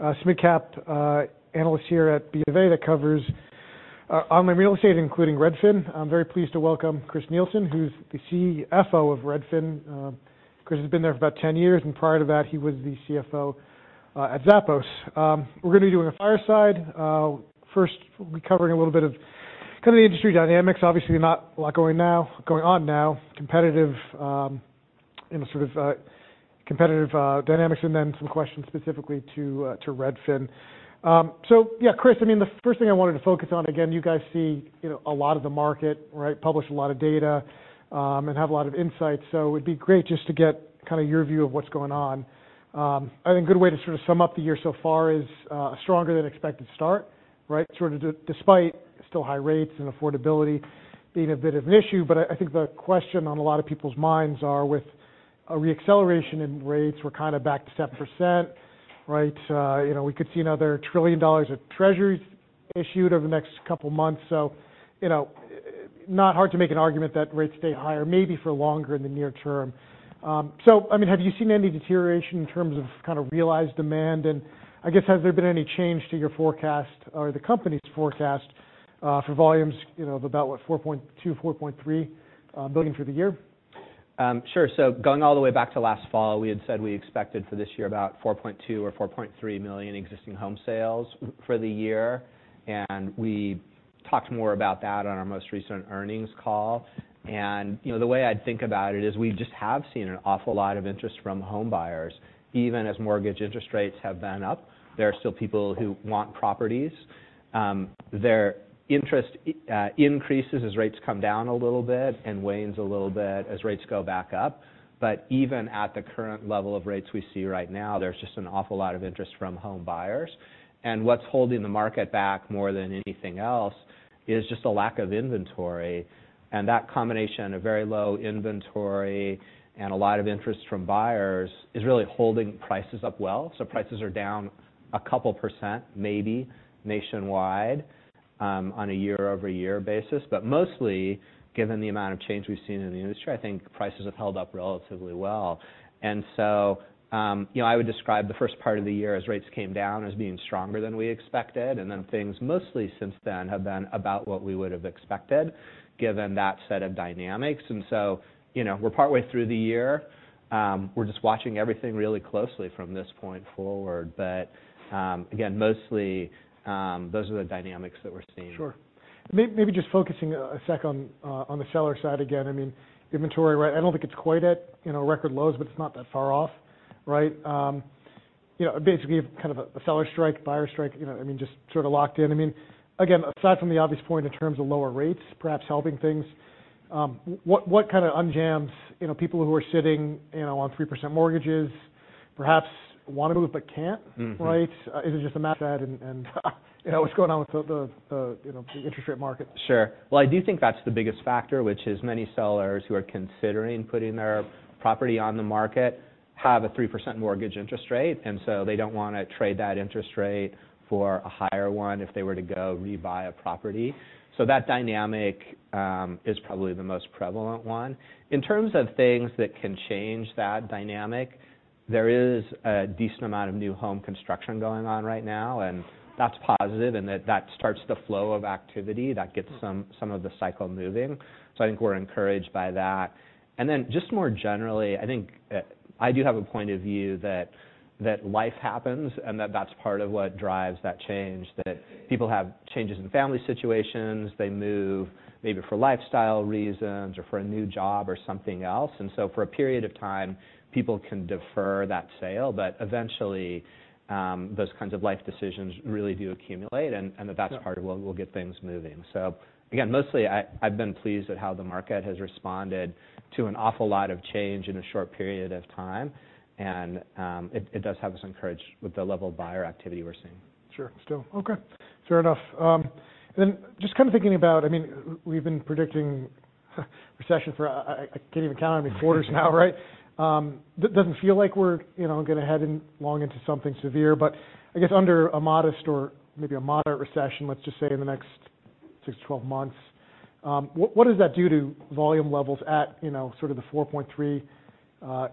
The mid-cap analyst here at BofA that covers online real estate, including Redfin. I'm very pleased to welcome Chris Nielsen, who's the CFO of Redfin. Chris has been there for about 10 years, and prior to that, he was the CFO at Zappos. We're gonna be doing a fireside. First, we'll be covering a little bit of kinda the industry dynamics. Obviously, not a lot going on now, competitive, you know, sort of, competitive dynamics, and then some questions specifically to Redfin. Yeah, Chris, I mean, the first thing I wanted to focus on, again, you guys see, you know, a lot of the market, right? Publish a lot of data, and have a lot of insights, it'd be great just to get kinda your view of what's going on. I think a good way to sort of sum up the year so far is a stronger than expected start, right? Despite still high rates and affordability being a bit of an issue. I think the question on a lot of people's minds are with a re-acceleration in rates, we're kinda back to 7%, right? You know, we could see another $1 trillion of treasuries issued over the next couple of months. You know, not hard to make an argument that rates stay higher, maybe for longer in the near term. I mean, have you seen any deterioration in terms of kind of realized demand? I guess, has there been any change to your forecast or the company's forecast, for volumes, you know, of about, what, $4.2 billion-$4.3 billion for the year? Sure. Going all the way back to last fall, we had said we expected for this year about 4.2 million or 4.3 million existing home sales for the year, and we talked more about that on our most recent earnings call. You know, the way I think about it is we just have seen an awful lot of interest from home buyers. Even as mortgage interest rates have been up, there are still people who want properties. Their interest increases as rates come down a little bit and wanes a little bit as rates go back up. Even at the current level of rates we see right now, there's just an awful lot of interest from home buyers. What's holding the market back more than anything else is just a lack of inventory. That combination of very low inventory and a lot of interest from buyers is really holding prices up well. Prices are down a couple percent, maybe nationwide, on a year-over-year basis. Mostly, given the amount of change we've seen in the industry, I think prices have held up relatively well. You know, I would describe the first part of the year as rates came down as being stronger than we expected, and then things mostly since then have been about what we would have expected, given that set of dynamics. You know, we're partway through the year. We're just watching everything really closely from this point forward. Again, mostly, those are the dynamics that we're seeing. Sure. maybe just focusing a sec on on the seller side again, I mean, inventory, right? I don't think it's quite at, you know, record lows, but it's not that far off, right? you know, basically, kind of a seller strike, buyer strike, you know, I mean, just sort of locked in. I mean, again, aside from the obvious point in terms of lower rates, perhaps helping things, what kinda unjams, you know, people who are sitting, you know, on 3% mortgages, perhaps want to move but can't- Mm-hmm. right? Is it just a matter of that, and you know, what's going on with the, you know, the interest rate market? Sure. Well, I do think that's the biggest factor, which is many sellers who are considering putting their property on the market have a 3% mortgage interest rate, and so they don't wanna trade that interest rate for a higher one if they were to go rebuy a property. That dynamic is probably the most prevalent one. In terms of things that can change that dynamic, there is a decent amount of new home construction going on right now, and that's positive, and that starts the flow of activity, that gets. Mm ...some of the cycle moving. I think we're encouraged by that. Just more generally, I think, I do have a point of view that life happens, and that that's part of what drives that change, that people have changes in family situations, they move maybe for lifestyle reasons or for a new job or something else. For a period of time, people can defer that sale, but eventually, those kinds of life decisions really do accumulate, and that- Yeah... that's part of what will get things moving. Again, mostly I've been pleased at how the market has responded to an awfull lot of change in a short period of time, and it does have us encouraged with the level of buyer activity we're seeing. Sure. Still. Okay, fair enough. Just kind of thinking about... I mean, we've been predicting recession for, I can't even count how many quarters now, right? Doesn't feel like we're, you know, gonna head in long into something severe, but I guess under a modest or maybe a moderate recession, let's just say, in the next 6 months-12 months, what does that do to volume levels at, you know, sort of the 4.3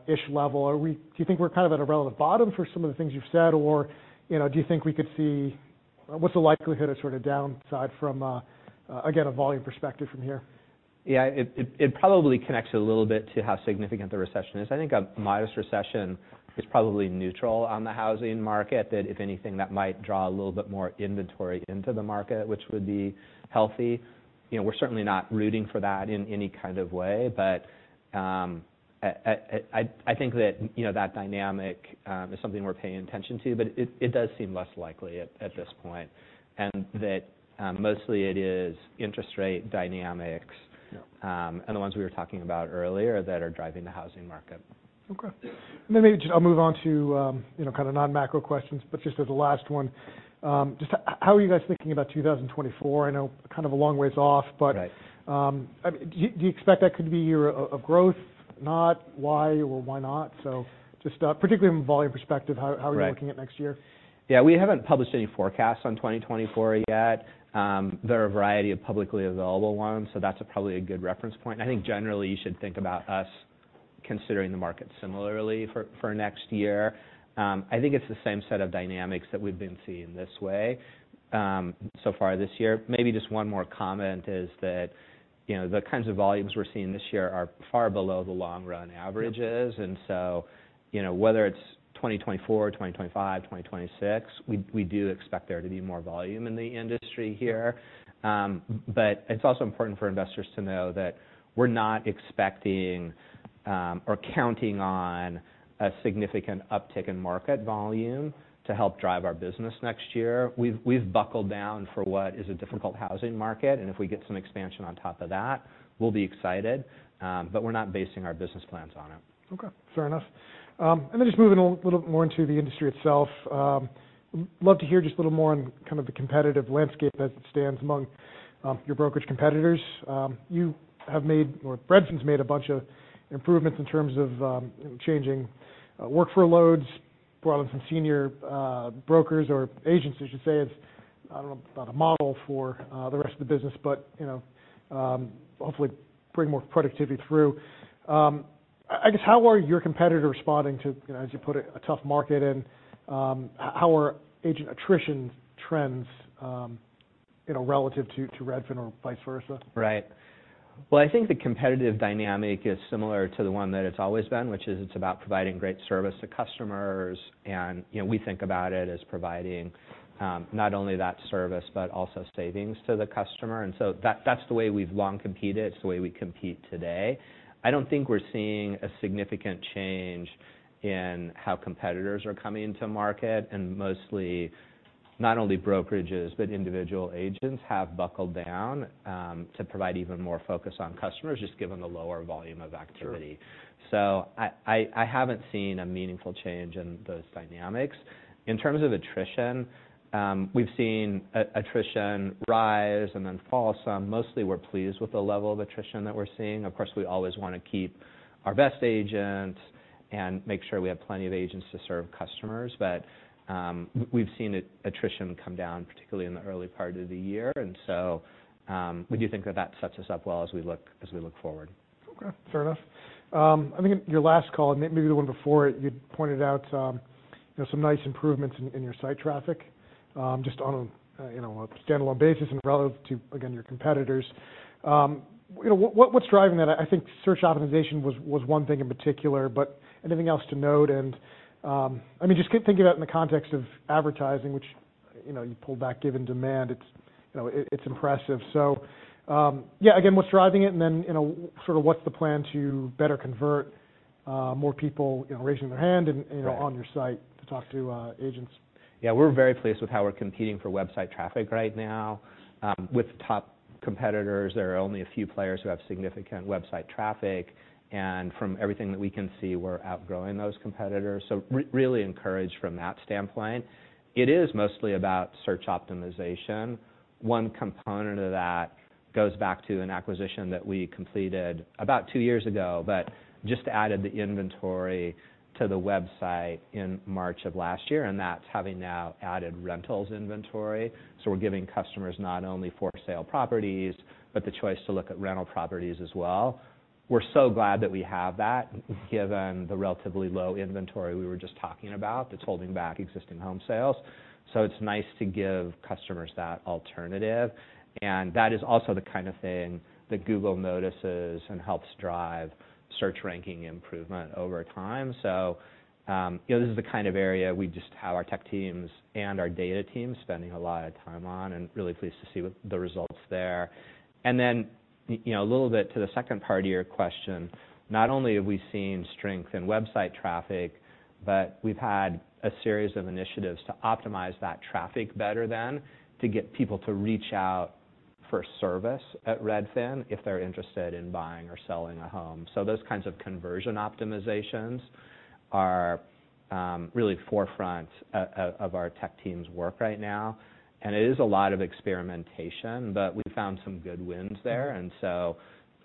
ish level? Do you think we're kind of at a relevant bottom for some of the things you've said, or, you know, do you think we could see? What's the likelihood of sort of downside from a, again, a volume perspective from here? Yeah, it probably connects a little bit to how significant the recession is. I think a modest recession is probably neutral on the housing market, that if anything, that might draw a little bit more inventory into the market, which would be healthy. You know, we're certainly not rooting for that in any kind of way, but I think that, you know, that dynamic is something we're paying attention to, but it does seem less likely at this point. Mostly it is interest rate dynamics. Yeah... and the ones we were talking about earlier that are driving the housing market. Okay. Maybe just I'll move on to, you know, kind of non-macro questions, but just as a last one, just how are you guys thinking about 2024? I know kind of a long ways off, but. Right... do you expect that could be a year of growth, not? Why or why not? Just particularly from a volume perspective, how are you. Right... looking at next year? Yeah, we haven't published any forecasts on 2024 yet. There are a variety of publicly available ones, so that's probably a good reference point. I think generally, you should think about us considering the market similarly for next year. I think it's the same set of dynamics that we've been seeing this way, so far this year. Maybe just one more comment is that, you know, the kinds of volumes we're seeing this year are far below the long-run averages. So, you know, whether it's 2024, 2025, 2026, we do expect there to be more volume in the industry here. It's also important for investors to know that we're not expecting, or counting on a significant uptick in market volume to help drive our business next year. We've buckled down for what is a difficult housing market, and if we get some expansion on top of that, we'll be excited. We're not basing our business plans on it. Okay, fair enough. Just moving a little more into the industry itself. Love to hear just a little more on kind of the competitive landscape as it stands among your brokerage competitors. You have made, or Redfin's made a bunch of improvements in terms of changing workflow loads for all of the senior brokers, or agents, I should say. It's, I don't know about a model for the rest of the business, but, you know, hopefully bring more productivity through. I guess, how are your competitors responding to, you know, as you put it, a tough market? How are agent attrition trends, you know, relative to Redfin or vice versa? Right. Well, I think the competitive dynamic is similar to the one that it's always been, which is it's about providing great service to customers. You know, we think about it as providing, not only that service, but also savings to the customer. That's the way we've long competed. It's the way we compete today. I don't think we're seeing a significant change in how competitors are coming into market, and mostly, not only brokerages, but individual agents have buckled down, to provide even more focus on customers, just given the lower volume of activity. Sure. I haven't seen a meaningful change in those dynamics. In terms of attrition, we've seen attrition rise and then fall some. Mostly we're pleased with the level of attrition that we're seeing. Of course, we always want to keep our best agents and make sure we have plenty of agents to serve customers. We've seen attrition come down, particularly in the early part of the year. We do think that that sets us up well as we look forward. Okay, fair enough. I think in your last call, maybe the one before it, you pointed out, you know, some nice improvements in your site traffic, just on a, you know, a standalone basis and relative to, again, your competitors. You know, what's driving that? I think search optimization was one thing in particular, but anything else to note? I mean, just keep thinking about it in the context of advertising, which, you know, you pulled back given demand. It's, you know, it's impressive. Yeah, again, what's driving it? You know, sort of what's the plan to better convert more people, you know, raising their hand and. Right... on your site to talk to, agents? We're very pleased with how we're competing for website traffic right now. With top competitors, there are only a few players who have significant website traffic, and from everything that we can see, we're outgrowing those competitors, so really encouraged from that standpoint. It is mostly about search optimization. One component of that goes back to an acquisition that we completed about two years ago, but just added the inventory to the website in March of last year, and that's having now added rentals inventory. We're giving customers not only for sale properties, but the choice to look at rental properties as well. We're so glad that we have that, given the relatively low inventory we were just talking about, that's holding back existing home sales. It's nice to give customers that alternative, and that is also the kind of thing that Google notices and helps drive search ranking improvement over time. You know, this is the kind of area we just have our tech teams and our data teams spending a lot of time on, and really pleased to see the results there. You know, a little bit to the second part of your question, not only have we seen strength in website traffic, but we've had a series of initiatives to optimize that traffic better then, to get people to reach out for service at Redfin, if they're interested in buying or selling a home. Those kinds of conversion optimizations are really forefront of our tech team's work right now. It is a lot of experimentation, but we found some good wins there.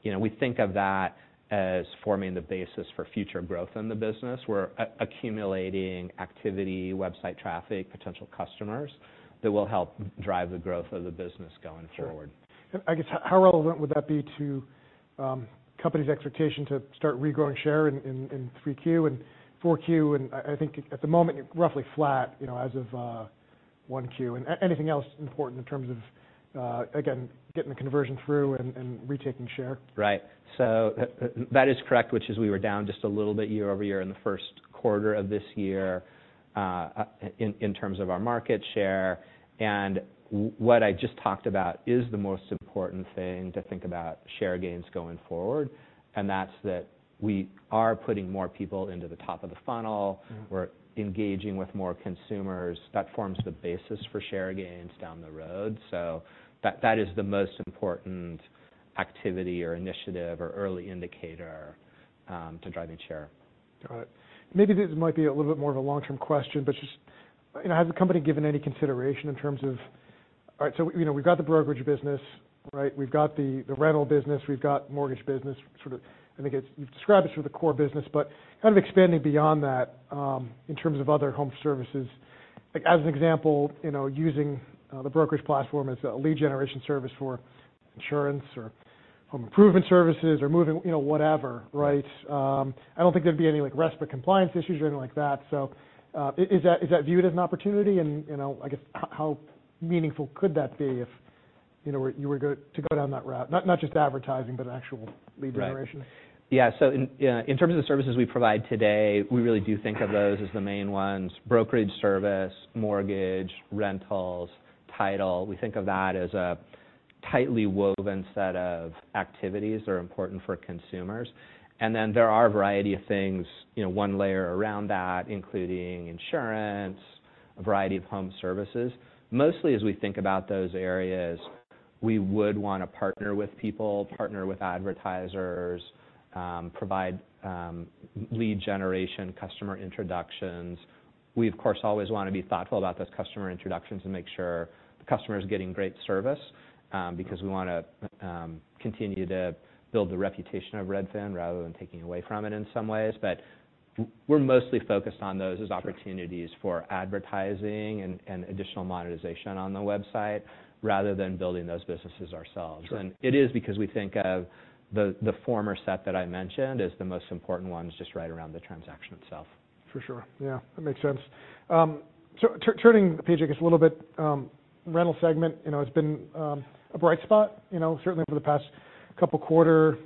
You know, we think of that as forming the basis for future growth in the business. We're accumulating activity, website traffic, potential customers, that will help drive the growth of the business going forward. I guess, how relevant would that be to, company's expectation to start regrowing share in three Q and four Q? I think at the moment, you're roughly flat, you know, as of, one Q. Anything else important in terms of, again, getting the conversion through and retaking share? Right. That is correct, which is we were down just a little bit year-over-year in the first quarter of this year in terms of our market share. What I just talked about is the most important thing to think about share gains going forward, and that's that we are putting more people into the top of the funnel. Mm-hmm. We're engaging with more consumers. That forms the basis for share gains down the road. That is the most important activity or initiative or early indicator to driving share. Got it. Maybe this might be a little bit more of a long-term question, but just, you know, has the company given any consideration in terms of. All right, so, you know, we've got the brokerage business, right? We've got the rental business, we've got mortgage business, you've described it through the core business, but kind of expanding beyond that, in terms of other home services. Like, as an example, you know, using the brokerage platform as a lead generation service for insurance or home improvement services or moving, you know, whatever, right? I don't think there'd be any, like, RESPA compliance issues or anything like that. Is that viewed as an opportunity? You know, I guess, how meaningful could that be if, you know, you were to go down that route? Not just advertising, but actual lead generation. Right. Yeah, so in terms of the services we provide today, we really do think of those as the main ones: brokerage service, mortgage, rentals, title. We think of that as a tightly woven set of activities that are important for consumers. Then there are a variety of things, you know, one layer around that, including insurance, a variety of home services. Mostly, as we think about those areas, we would want to partner with people, partner with advertisers, provide, lead generation, customer introductions. We, of course, always want to be thoughtful about those customer introductions and make sure the customer is getting great service, because we want to continue to build the reputation of Redfin rather than taking away from it in some ways. We're mostly focused on those as opportunities for advertising and additional monetization on the website, rather than building those businesses ourselves. Sure. It is because we think of the former set that I mentioned as the most important ones, just right around the transaction itself. For sure. Yeah, that makes sense. Turning the page, I guess, a little bit, rental segment, you know, has been a bright spot, you know, certainly for the past couple quarter.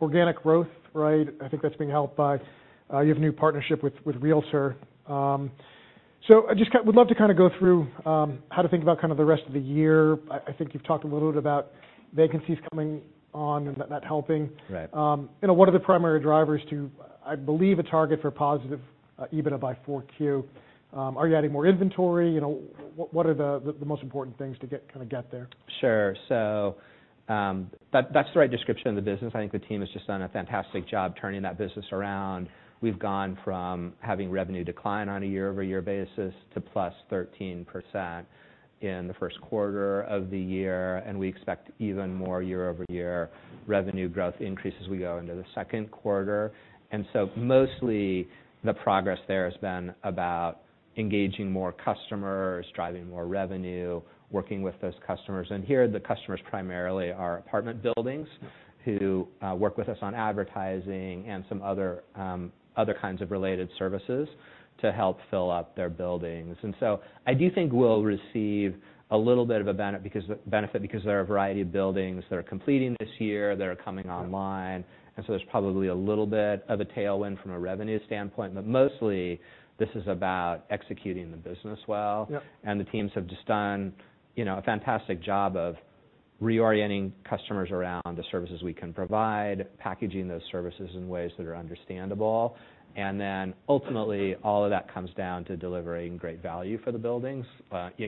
Organic growth, right? I think that's being helped by, you have a new partnership with Realtor.com. I just would love to kind of go through how to think about kind of the rest of the year. I think you've talked a little bit about vacancies coming on and that helping. Right. You know, what are the primary drivers to, I believe, a target for positive EBITDA by 4Q? Are you adding more inventory? You know, what are the most important things to kind of get there? Sure. That's the right description of the business. I think the team has just done a fantastic job turning that business around. We've gone from having revenue decline on a year-over-year basis to +13% in the first quarter of the year, and we expect even more year-over-year revenue growth increase as we go into the second quarter. Mostly, the progress there has been about engaging more customers, driving more revenue, working with those customers. Here, the customers primarily are apartment buildings who work with us on advertising and some other kinds of related services to help fill up their buildings. I do think we'll receive a little bit of a benefit, because there are a variety of buildings that are completing this year, that are coming online, and so there's probably a little bit of a tailwind from a revenue standpoint. Mostly, this is about executing the business well. Yep. The teams have just done, you know, a fantastic job of reorienting customers around the services we can provide, packaging those services in ways that are understandable. Ultimately, all of that comes down to delivering great value for the buildings. Yep...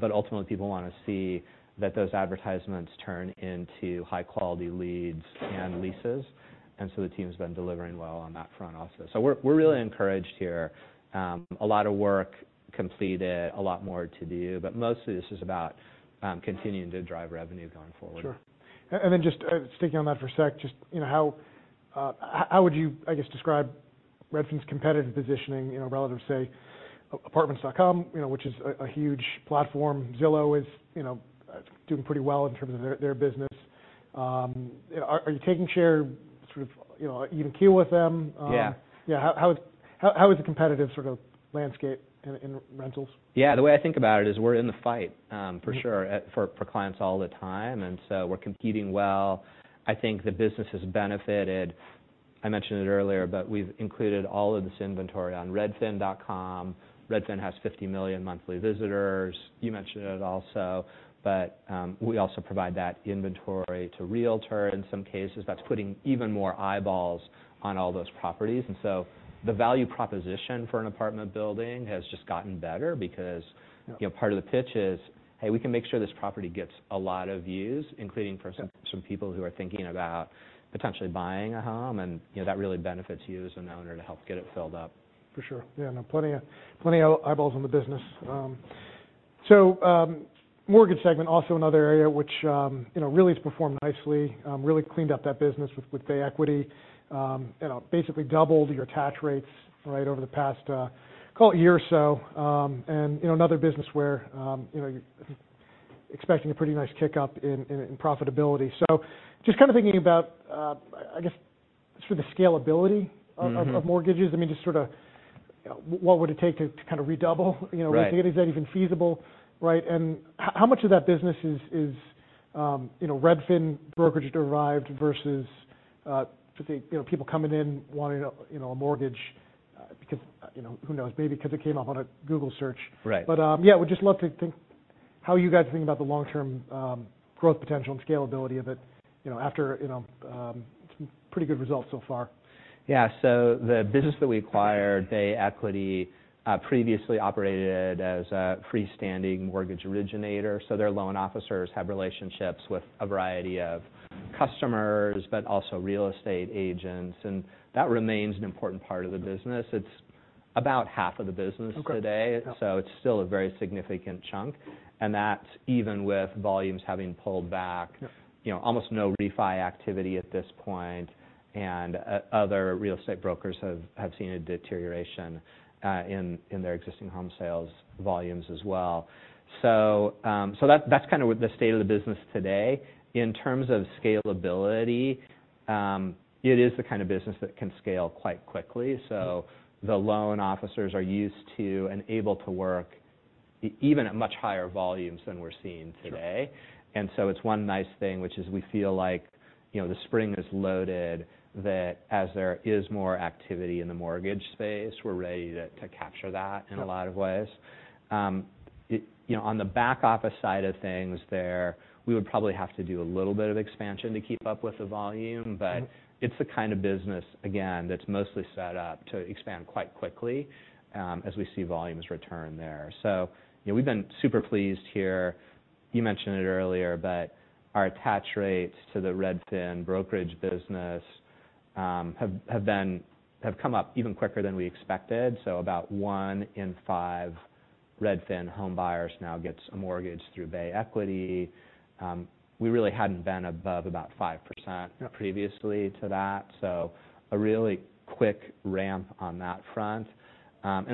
but ultimately, people want to see that those advertisements turn into high-quality leads and leases. The team's been delivering well on that front also. We're really encouraged here. A lot of work completed, a lot more to do, but mostly this is about, continuing to drive revenue going forward. Sure. Then just sticking on that for a sec, just, you know, how would you, I guess, describe Redfin's competitive positioning, you know, relative to, say, Apartments.com, you know, which is a huge platform? Zillow is, you know, doing pretty well in terms of their business. Are you taking share sort of, you know, even queue with them? Yeah. Yeah. How is the competitive sort of landscape in rentals? Yeah, the way I think about it is we're in the fight, for sure. Mm-hmm... at for clients all the time, we're competing well. I think the business has benefited. I mentioned it earlier, we've included all of this inventory on redfin.com. Redfin has 50 million monthly visitors. You mentioned it also, we also provide that inventory to Realtor.com in some cases. That's putting even more eyeballs on all those properties. The value proposition for an apartment building has just gotten better because- Yep... you know, part of the pitch is, "Hey, we can make sure this property gets a lot of views, including from- Yep... some people who are thinking about potentially buying a home, and, you know, that really benefits you as an owner to help get it filled up. For sure. Yeah, I know, plenty of eyeballs on the business. Mortgage segment, also another area which, you know, really has performed nicely. Really cleaned up that business with Bay Equity. You know, basically doubled your attach rates, right, over the past, call it a year or so. You know, another business where, you know, expecting a pretty nice kick up in profitability. So just kind of thinking about, I guess, sort of the scalability of Mm-hmm of mortgages. I mean, just sort of what would it take to kind of redouble, you know? Right... is that even feasible, right? How much of that business is, you know, Redfin brokerage-derived versus, just the, you know, people coming in wanting a, you know, a mortgage, because, you know, who knows? Maybe because it came up on a Google search. Right. Yeah, would just love to think how you guys are thinking about the long-term growth potential and scalability of it, you know, after, you know, some pretty good results so far. The business that we acquired, Bay Equity, previously operated as a freestanding mortgage originator. Their loan officers have relationships with a variety of customers, but also real estate agents, and that remains an important part of the business. About half of the business today. Okay. It's still a very significant chunk, and that's even with volumes having pulled back. Yeah. You know, almost no refi activity at this point, other real estate brokers have seen a deterioration in their existing home sales volumes as well. That's kind of with the state of the business today. In terms of scalability, it is the kind of business that can scale quite quickly. The loan officers are used to and able to work even at much higher volumes than we're seeing today. Sure. It's one nice thing, which is we feel like, you know, the spring is loaded, that as there is more activity in the mortgage space, we're ready to capture that. Sure... in a lot of ways. You know, on the back office side of things there, we would probably have to do a little bit of expansion to keep up with the volume. Mm-hmm. It's the kind of business, again, that's mostly set up to expand quite quickly, as we see volumes return there. You know, we've been super pleased here. You mentioned it earlier, but our attach rates to the Redfin brokerage business, have come up even quicker than we expected. About one in five Redfin home buyers now gets a mortgage through Bay Equity. We really hadn't been above about 5%. Yeah... previously to that, so a really quick ramp on that front.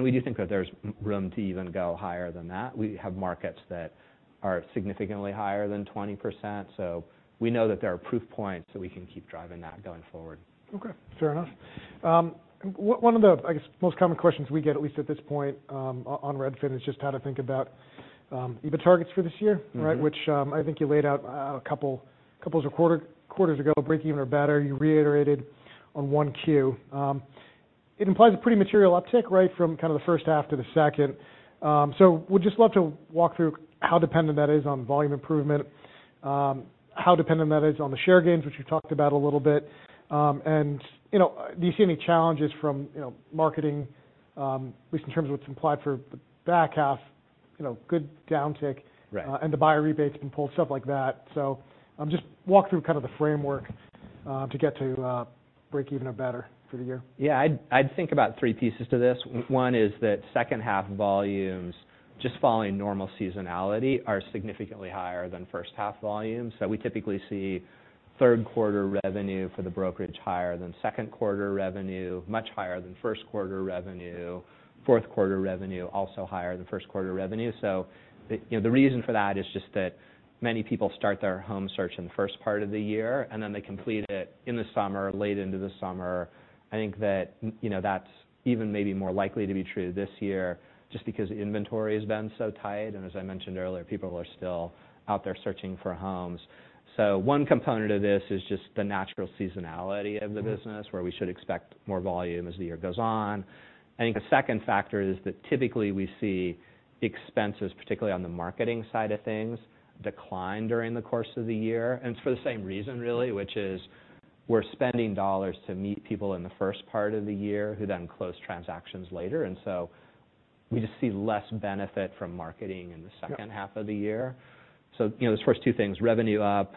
We do think that there's room to even go higher than that. We have markets that are significantly higher than 20%, so we know that there are proof points, so we can keep driving that going forward. Okay. Fair enough. One of the, I guess, most common questions we get, at least at this point, on Redfin, is just how to think about EBITDA targets for this year. Mm-hmm. Right? Which, I think you laid out a couple of quarters ago, breakeven or better, you reiterated on 1Q. It implies a pretty material uptick, right? From kind of the first half to the second. Would just love to walk through how dependent that is on volume improvement, how dependent that is on the share gains, which you talked about a little bit. You know, do you see any challenges from, you know, marketing, at least in terms of what's implied for the back half, you know, good. Right... and the buyer rebates being pulled, stuff like that. Just walk through kind of the framework, to get to breakeven or better for the year. Yeah. I'd think about three pieces to this. One is that second half volumes, just following normal seasonality, are significantly higher than first half volumes. We typically see third quarter revenue for the brokerage higher than second quarter revenue, much higher than first quarter revenue, fourth quarter revenue also higher than first quarter revenue. The, you know, the reason for that is just that many people start their home search in the first part of the year, and then they complete it in the summer, late into the summer. I think that, you know, that's even maybe more likely to be true this year, just because inventory has been so tight, and as I mentioned earlier, people are still out there searching for homes. One component of this is just the natural seasonality of the business. Mm-hmm... where we should expect more volume as the year goes on. I think the second factor is that typically we see expenses, particularly on the marketing side of things, decline during the course of the year. It's for the same reason really, which is we're spending dollars to meet people in the first part of the year, who then close transactions later. We just see less benefit from marketing in the second. Yeah... half of the year. You know, those first two things, revenue up,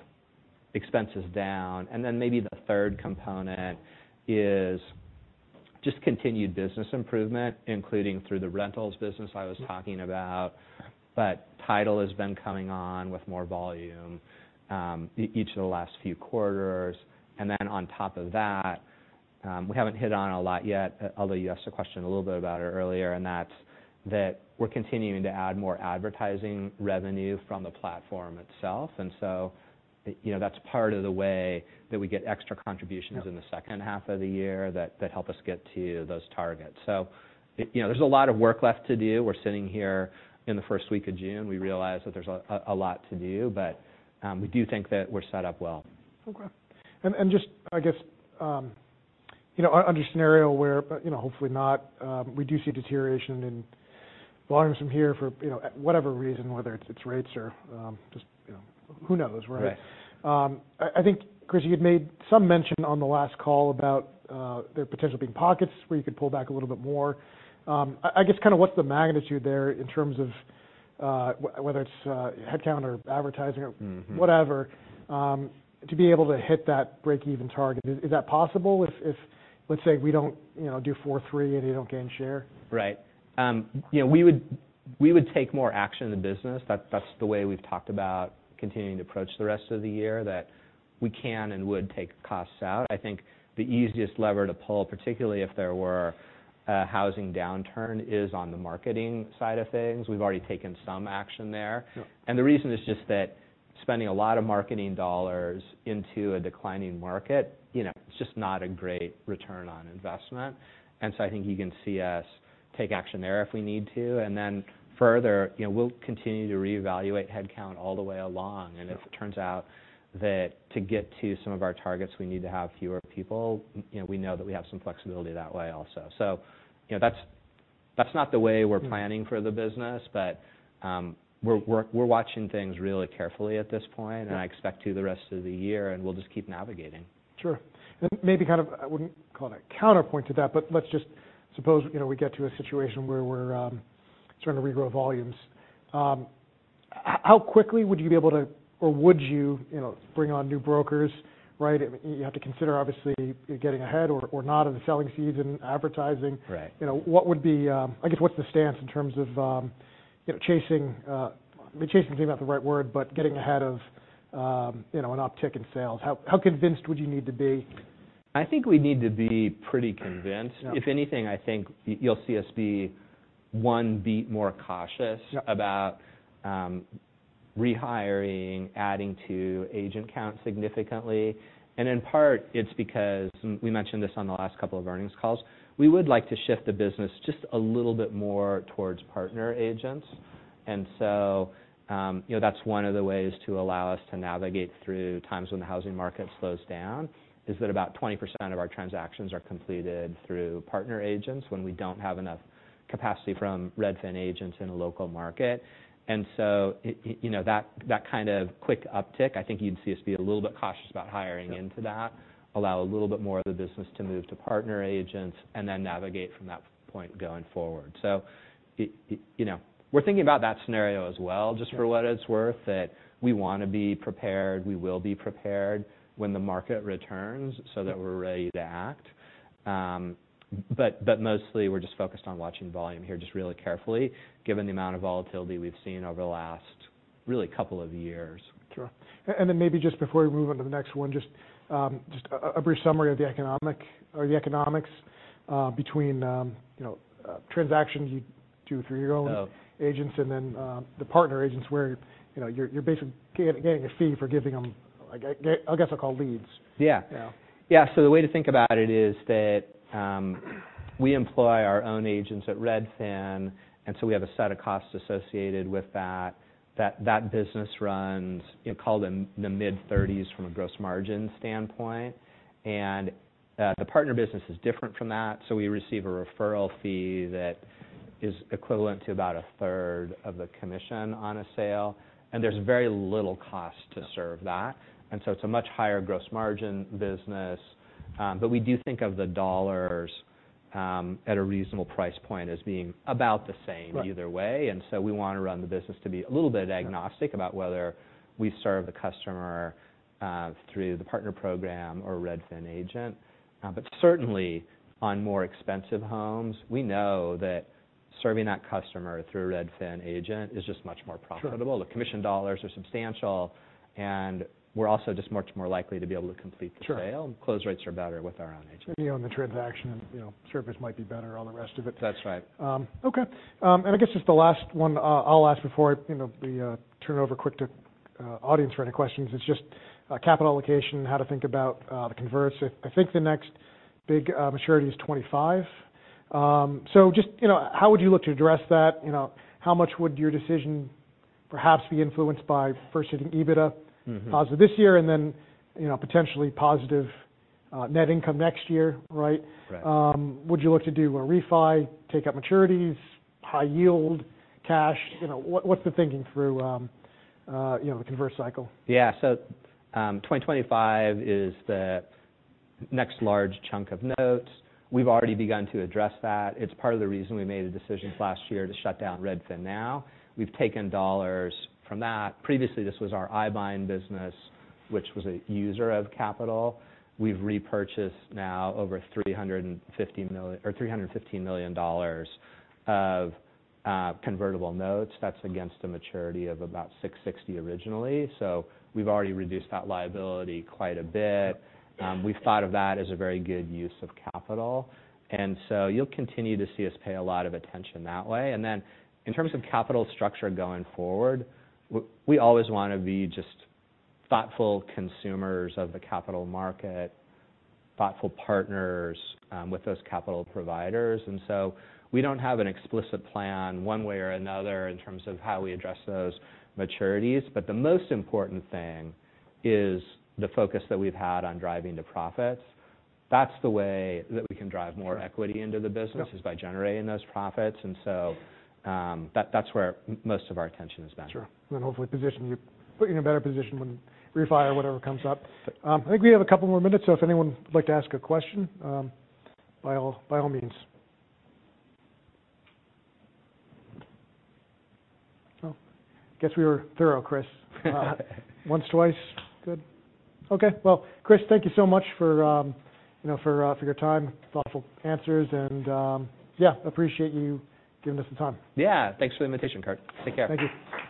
expenses down. Then maybe the third component is just continued business improvement, including through the rentals business I was talking about. Yeah. Title has been coming on with more volume, each of the last few quarters. Then on top of that, we haven't hit on a lot yet, although you asked a question a little bit about it earlier, and that's that we're continuing to add more advertising revenue from the platform itself. So, you know, that's part of the way that we get extra contributions. Yeah... in the second half of the year that help us get to those targets. You know, there's a lot of work left to do. We're sitting here in the first week of June. We realize that there's a lot to do, but we do think that we're set up well. Okay. And just, I guess, you know, under scenario where, but, you know, hopefully not, we do see deterioration in volumes from here for, you know, whatever reason, whether it's rates or, just, you know, who knows, right? Right. I think, Chris, you had made some mention on the last call about there potentially being pockets where you could pull back a little bit more. I guess, kind of what's the magnitude there in terms of, whether it's, headcount or advertising or... Mm-hmm... whatever, to be able to hit that breakeven target? Is that possible if, let's say, we don't, you know, do 4-3, and you don't gain share? Right. you know, we would take more action in the business. That's the way we've talked about continuing to approach the rest of the year, that we can and would take costs out. I think the easiest lever to pull, particularly if there were a housing downturn, is on the marketing side of things. We've already taken some action there. Sure. The reason is just that spending a lot of marketing dollars into a declining market, you know, it's just not a great return on investment. I think you can see us take action there if we need to. Further, you know, we'll continue to reevaluate headcount all the way along. Sure. If it turns out that to get to some of our targets, we need to have fewer people, you know, we know that we have some flexibility that way also. You know, that's not the way we're planning. Mm... for the business, but, we're watching things really carefully at this point. Yeah. I expect to the rest of the year, and we'll just keep navigating. Sure. Maybe kind of, I wouldn't call it a counterpoint to that, but let's just suppose, you know, we get to a situation where we're starting to regrow volumes. How quickly would you be able to, or would you know, bring on new brokers, right? I mean, you have to consider, obviously, you're getting ahead or not in the selling season, advertising. Right. You know, I guess, what's the stance in terms of, you know, chasing, I mean, chasing is maybe not the right word, but... Yeah Getting ahead of, you know, an uptick in sales? How convinced would you need to be? I think we'd need to be pretty convinced. Yeah. If anything, I think you'll see us be one beat more cautious-. Yeah About rehiring, adding to agent count significantly. In part, it's because, and we mentioned this on the last couple of earnings calls, we would like to shift the business just a little bit more towards Partner Agents. You know, that's one of the ways to allow us to navigate through times when the housing market slows down, is that about 20% of our transactions are completed through Partner Agents when we don't have enough capacity from Redfin agents in a local market. You know, that kind of quick uptick, I think you'd see us be a little bit cautious about hiring into that. Yeah. Allow a little bit more of the business to move to Partner Agents, and then navigate from that point going forward. You know, we're thinking about that scenario as well. Yeah... for what it's worth, that we wanna be prepared. We will be prepared when the market returns, so that we're ready to act. Mostly, we're just focused on watching volume here just really carefully, given the amount of volatility we've seen over the last really couple of years. Sure. Maybe just before we move on to the next one, just a brief summary of the economic or the economics, between, you know, transactions you do through your own... Yeah -agents, and then, the Partner Agents, where, you know, you're basically getting a fee for giving them, I guess I'll call leads. Yeah. Yeah. The way to think about it is that we employ our own agents at Redfin, we have a set of costs associated with that. That business runs, you know, call it in the mid-thirties from a gross margin standpoint. The partner business is different from that, we receive a referral fee that is equivalent to about a third of the commission on a sale, there's very little cost to serve that. Yeah. It's a much higher gross margin business. We do think of the dollars, at a reasonable price point as being about the same... Right either way. We want to run the business to be a little bit agnostic. Yeah about whether we serve the customer, through the partner program or Redfin agent. certainly, on more expensive homes, we know that serving that customer through a Redfin agent is just much more profitable. Sure. The commission dollars are substantial, and we're also just much more likely to be able to complete the sale. Sure. Close rates are better with our own agents. You own the transaction and, you know, service might be better, all the rest of it. That's right. Okay. I guess just the last one, I'll ask before, you know, we turn it over quick to audience for any questions, is just capital allocation and how to think about the converts. I think the next big maturity is 2025. Just, you know, how would you look to address that? You know, how much would your decision perhaps be influenced by first hitting EBITDA? Mm-hmm ... positive this year, and then, you know, potentially positive, net income next year, right? Right. Would you look to do a refi, take out maturities, high yield, cash? You know, what's the thinking through, you know, the converts cycle? 2025 is the next large chunk of notes. We've already begun to address that. It's part of the reason we made the decision last year to shut down RedfinNow. We've taken dollars from that. Previously, this was our iBuying business, which was a user of capital. We've repurchased now over $350 million, or $315 million of convertible notes. That's against a maturity of about $660 million originally. We've already reduced that liability quite a bit. Yeah. We've thought of that as a very good use of capital. You'll continue to see us pay a lot of attention that way. In terms of capital structure going forward, we always wanna be just thoughtful consumers of the capital market, thoughtful partners with those capital providers. We don't have an explicit plan one way or another in terms of how we address those maturities, but the most important thing is the focus that we've had on driving the profits. That's the way that we can drive more equity into the business. Yeah is by generating those profits. That's where most of our attention has been. Sure. Hopefully put you in a better position when refi or whatever comes up. Yeah. I think we have a couple more minutes, if anyone would like to ask a question, by all means. Oh, guess we were thorough, Chris. Once, twice. Good. Okay. Well, Chris, thank you so much for, you know, for your time, thoughtful answers, and, yeah, appreciate you giving us the time. Yeah, thanks for the invitation, Kurt. Take care. Thank you.